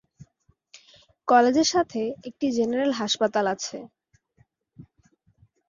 কলেজের সাথে একটি জেনারেল হাসপাতাল আছে।